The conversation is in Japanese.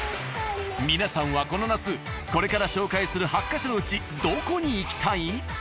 皆さんはこの夏これから紹介する８か所のうちどこに行きたい？